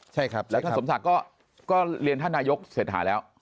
และท่านสมศักดิ์ก็เรียนท่านนายกเสร็จหาแล้ว